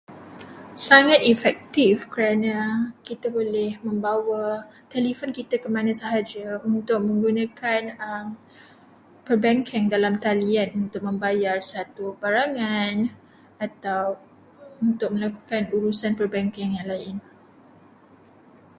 Sangat efektif kerana kita boleh membawa telefon kita ke mana saja untuk menggunakan perbankan dalam talian untuk membayar satu barangan atau untuk melakukan urusan perbankan yang lain.